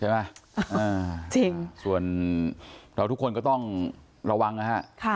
ใช่ไหมอ่าจริงส่วนเราทุกคนก็ต้องระวังนะฮะค่ะ